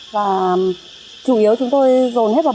và chủ yếu chúng tôi dồn hết vào bởi